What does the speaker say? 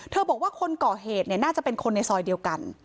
เธอบอกว่าคนเกาะเหตุเนี่ยน่าจะเป็นคนในซอยเดียวกัน